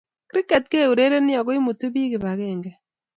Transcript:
Kriket keurerenii ako imutuu biik kibakenge.